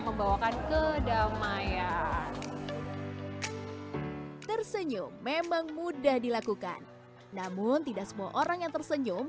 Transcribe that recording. membawakan kedamaian tersenyum memang mudah dilakukan namun tidak semua orang yang tersenyum